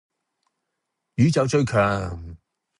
宇宙最強